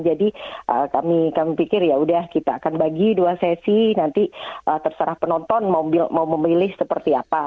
jadi kami pikir yaudah kita akan bagi dua sesi nanti terserah penonton mau memilih seperti apa